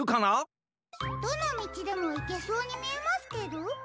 どのみちでもいけそうにみえますけど。